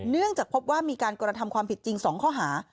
เนื่องจากพบว่ามีการกระทำความผิดจริง๒ข้อหา